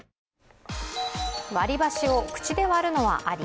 割り箸を口で割るのはあり？